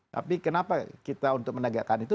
tapi kenapa kita untuk menegakkan itu